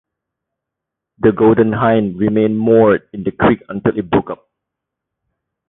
The "Golden Hind" remained moored in the creek until it broke up.